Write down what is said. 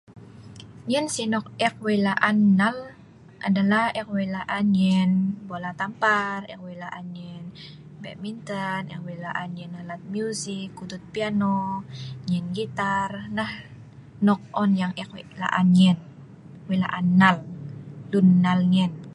Nyein sii anok eek wei' laan nal adalah eek wei' laan nyein bola tampar, eek wei' laan nyein badminton, eek wei' laan nyein alat muisik ku'dut piano, nyein gitar.. nah nok on eek wei' laan nyein, wei' laan nal, lun nal nyein